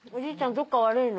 どっか悪いの？